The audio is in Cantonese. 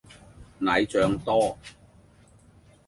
奶醬多